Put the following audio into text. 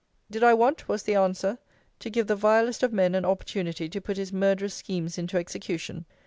Did I want, was the answer, to give the vilest of men an opportunity to put his murderous schemes into execution?